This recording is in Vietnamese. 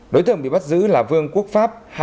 đối tượng bị bắt giữ là vương quốc pháp